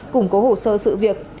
củng cố hồ sơ sự việc